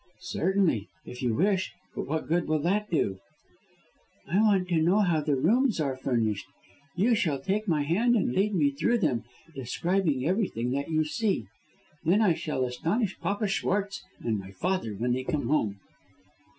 "Certainly, if you wish. But what good will that do?" "I want to know how the rooms are furnished. You shall take my hand, and lead me through them, describing everything that you see. Then I shall astonish Papa Schwartz and my father when they come home."